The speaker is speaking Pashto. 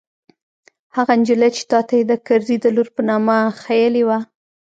هغه نجلۍ چې تا ته يې د کرزي د لور په نامه ښييلې وه.